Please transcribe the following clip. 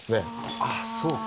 ああそうか。